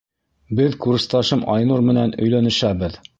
Беҙ курсташым Айнур менән өйләнешәбеҙ.